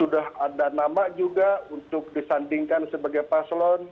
sudah ada nama juga untuk disandingkan sebagai paslon